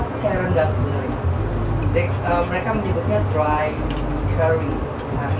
saya tidak jelas apa produknya